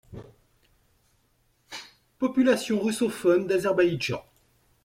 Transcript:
Population russophone d'Azerbaïdjan.